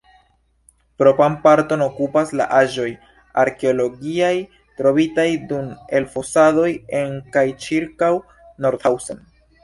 Propran parton okupas la aĵoj arkeologiaj, trovitaj dum elfosadoj en kaj ĉirkaŭ Nordhausen.